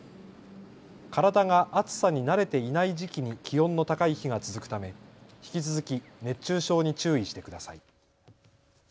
体が暑さに慣れていない時期に気温の高い日が続くため引き続き熱中症に注意してください。